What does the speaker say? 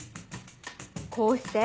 こうして。